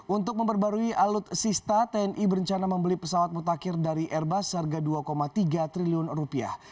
untuk memperbarui alutsista tni berencana membeli pesawat mutakhir dari airbus seharga dua tiga triliun rupiah